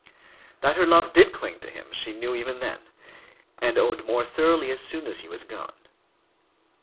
That her love did cling to him, she knew even then, and owned more thoroughly as soon as he was gone.